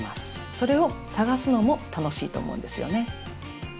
それを探すのも楽しいと思うんですよね。